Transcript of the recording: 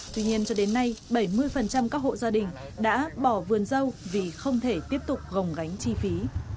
tuy nhiên cho đến nay bảy mươi các hộ gia đình đã bỏ vườn dâu vì không thể tiếp tục gồng gánh chi phí